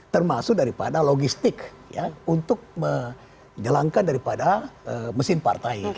termasuk daripada logistik untuk menjelangkan daripada mesin partai